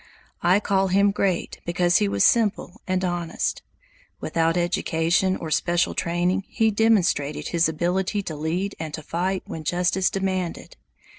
I call him great because he was simple and honest. Without education or special training he demonstrated his ability to lead and to fight when justice demanded.